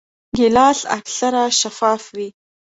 ګیلاس اکثره شفاف وي.